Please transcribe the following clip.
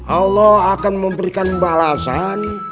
allah akan memberikan balasan